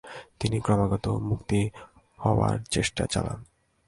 তিনি ক্রমাগত মুক্ত হবার চেষ্টা চালান।